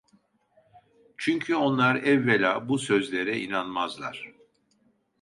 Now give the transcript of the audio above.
Çünkü onlar evvela bu sözlere inanmazlar.